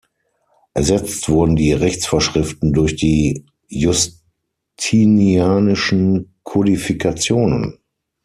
Ersetzt wurden die Rechtsvorschriften durch die justinianischen Kodifikationen.